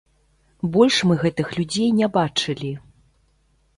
Больш мы гэтых людзей не бачылі.